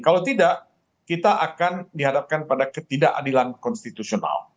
kalau tidak kita akan dihadapkan pada ketidakadilan konstitusional